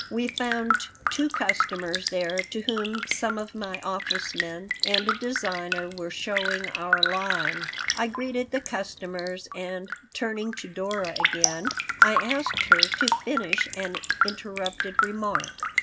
We found two customers there to whom some of my office men and a designer were showing our "line." I greeted the customers, and, turning to Dora again, I asked her to finish an interrupted remark.